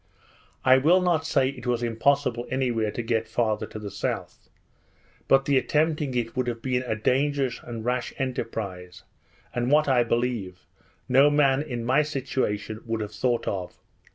I will not say it was impossible any where to get farther to the south; but the attempting it would have been a dangerous and rash enterprise, and what, I believe, no man in my situation would have thought of.